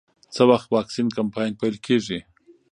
څه وخت واکسین کمپاین پیل کېږي؟